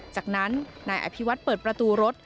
จากนั้นนายอภิวัฒน์เปิดประตูรถ